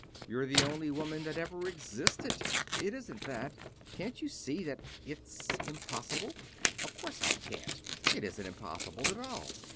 You're the only woman that ever existed. It isn't that. Can't you see that it's impossible?" "Of course I can't it isn't impossible, at all."